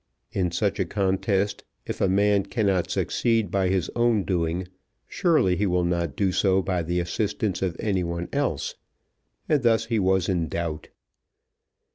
In such a contest, if a man cannot succeed by his own doing, surely he will not do so by the assistance of any one else; and thus he was in doubt.